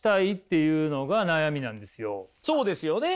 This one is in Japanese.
そうですよね。